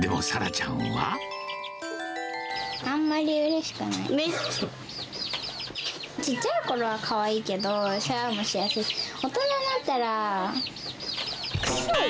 ちっちゃいころはかわいいけど、世話もしやすいし、大人になったら、臭い。